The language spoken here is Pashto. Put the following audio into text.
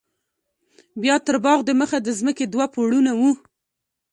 بيا تر باغ د مخه د ځمکې دوه پوړونه وو.